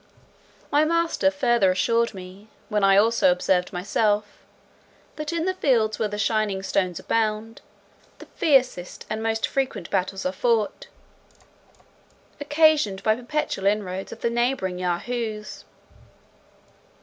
My master further assured me, which I also observed myself, "that in the fields where the shining stones abound, the fiercest and most frequent battles are fought, occasioned by perpetual inroads of the neighbouring Yahoos."